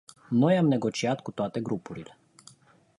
Noi am negociat cu toate grupurile.